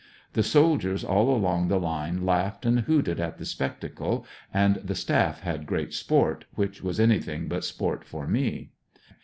The soldiers all along the line laughed and hooted at the spectacle and the staff had great sport, which was any thing but sport for me.